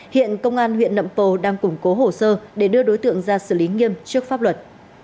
hiện công an huyện nậm pồ đang củng cố hồ sơ để đưa đối tượng ra xử lý nghiêm trước pháp luật